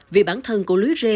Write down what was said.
vì bản thân của lưới rê